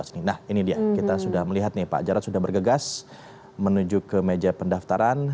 nah ini dia kita sudah melihat nih pak jarod sudah bergegas menuju ke meja pendaftaran